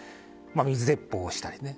水鉄砲をしたりね。